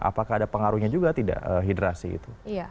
apakah ada pengaruhnya juga tidak hidrasi itu